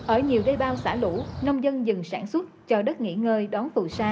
ở nhiều đầy bao xả lũ nông dân dần xả lũ